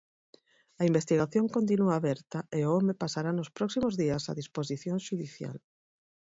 A investigación continúa aberta e o home pasará nos próximos días a disposición xudicial.